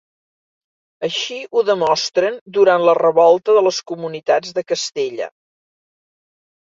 Així ho demostren durant la Revolta de les Comunitats de Castella.